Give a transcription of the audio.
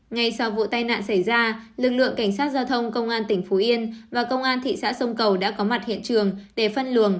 ngay sau vụ tai nạn xảy ra lực lượng cảnh sát giao thông công an tỉnh phú yên và công an thị xã sông cầu đã có mặt hiện trường để phân luồng